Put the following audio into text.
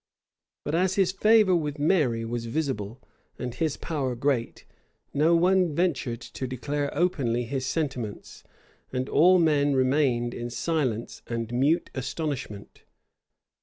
[] But as his favor with Mary was visible, and his power great, no one ventured to declare openly his sentiments; and all men remained in silence and mute astonishment.